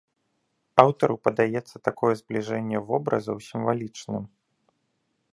Аўтару падаецца такое збліжэнне вобразаў сімвалічным.